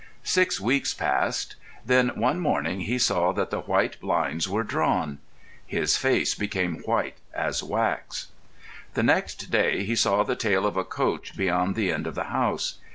Six weeks passed. Then one morning he saw that the white blinds were drawn. His face became white as wax. The next day he saw the tail of a coach beyond the end of the house.